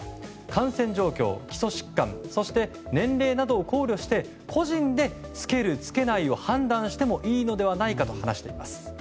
感染状況、基礎疾患そして年齢などを考慮して個人で着ける着けないを判断してもいいのではないかと話しています。